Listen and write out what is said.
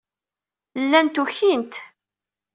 Llant ukint.